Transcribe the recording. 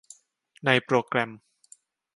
ในโปรแกรม